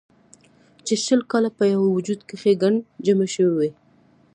چې شل کاله پۀ يو وجود کښې ګند جمع شوے وي